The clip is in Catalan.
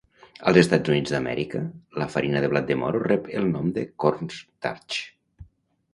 Als Estats Units d'Amèrica, la farina de blat de moro rep el nom de "cornstarch"